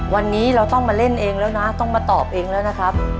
วันนี้เราต้องมาเล่นเองแล้วนะต้องมาตอบเองแล้วนะครับ